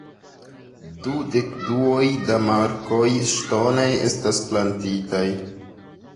Du dekduoj da markoj ŝtonaj estas plantitaj.